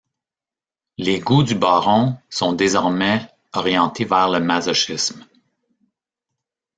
Les goûts du baron sont désormais orientés vers le masochisme.